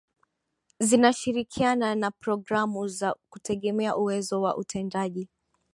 zinashirikiana na programu za kutegemeza uwezo wa utendaji